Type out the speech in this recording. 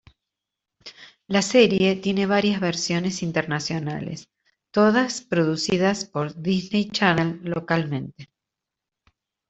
La serie tiene varias versiones internacionales, todas producidas por Disney Channel localmente.